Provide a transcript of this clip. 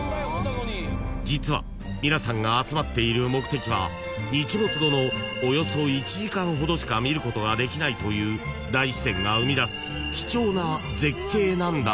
［実は皆さんが集まっている目的は日没後のおよそ１時間ほどしか見ることができないという大自然が生み出す貴重な絶景なんだそう］